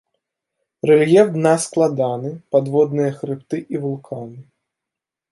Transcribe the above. Рэльеф дна складаны, падводныя хрыбты і вулканы.